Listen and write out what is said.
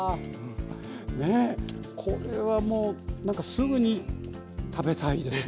ねこれはもうなんかすぐに食べたいですね。